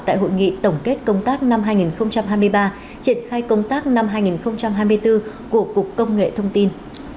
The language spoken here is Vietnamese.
tại hội nghị tổng kết công tác năm hai nghìn hai mươi ba triển khai công tác năm hai nghìn hai mươi bốn của cục công nghệ thông tin